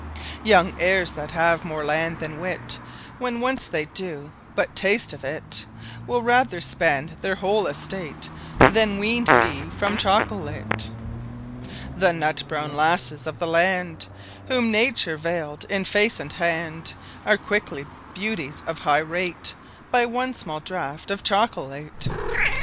Young Heires that have more Land then Wit, When once they doe but Tast of it, Will rather spend their whole Estate, Then weaned be from Chocolate. The Nut Browne Lasses of the Land Whom Nature vayl'd in Face and Hand, Are quickly Beauties of High Rate, By one small Draught of Chocolate.